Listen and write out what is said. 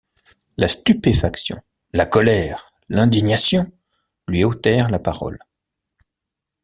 La stupéfaction, la colère, l’indignation lui ôtèrent la parole.